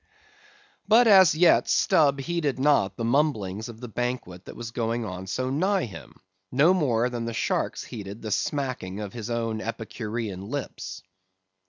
But, as yet, Stubb heeded not the mumblings of the banquet that was going on so nigh him, no more than the sharks heeded the smacking of his own epicurean lips.